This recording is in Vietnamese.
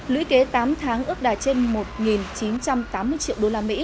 lũy kế tám tháng ước đạt trên một chín trăm tám mươi triệu usd